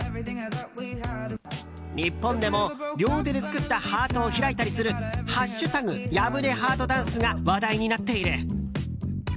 日本でも両手で作ったハートを開いたりする「＃破れハート」ダンスが話題になっている。